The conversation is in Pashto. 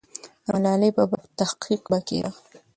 د ملالۍ په باب تحقیق به کېده.